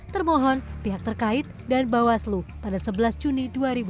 termohon pihak terkait dan bawaslu pada sebelas juni dua ribu dua puluh